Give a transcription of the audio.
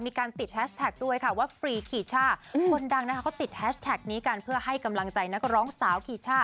มีการติดแฮชแท็กด้วยค่ะว่าฟรีคีช่าคนดังนะคะเขาติดแฮชแท็กนี้กันเพื่อให้กำลังใจนักร้องสาวคีช่า